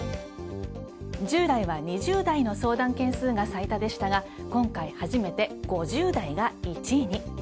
従来は２０代の相談件数が最多でしたが今回初めて５０代が１位に。